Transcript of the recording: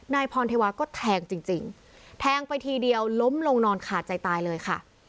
นายพรเทวาก็แทงจริงแทงไปทีเดียวล้มลงนอนขาดใจตายเลยค่ะ